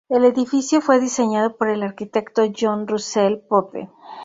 El edificio fue diseñado por el arquitecto John Russell Pope.